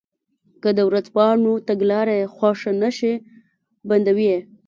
که د ورځپاڼو تګلاره یې خوښه نه شي بندوي یې.